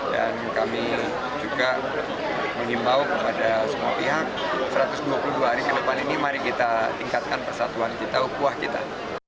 dan kami juga mengimbau kepada semua pihak satu ratus dua puluh dua hari ke depan ini mari kita tingkatkan persatuan kita upuah kita